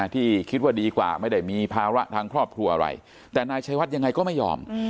ที่คิดว่าดีกว่าไม่ได้มีภาระทางครอบครัวอะไรแต่นายชัยวัดยังไงก็ไม่ยอม